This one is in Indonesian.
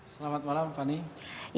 selamat malam fanny